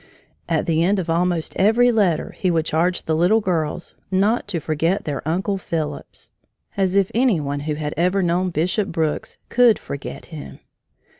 At the end of almost every letter he would charge the little girls "not to forget their Uncle Phillips." As if any one who had ever known Bishop Brooks could forget him!